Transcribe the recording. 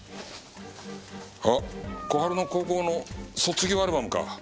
あっ小春の高校の卒業アルバムか。